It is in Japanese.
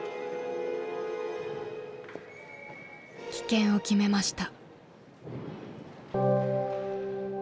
棄権を決めました。